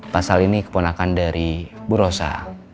pak sal ini keponakan dari bu rosa